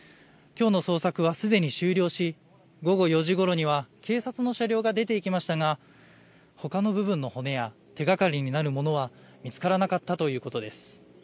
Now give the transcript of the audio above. きょうの捜索はすでに終了し午後４時ごろには警察の車両が出ていきましたがほかの部分の骨や手がかりになるものは見つからなかったということです。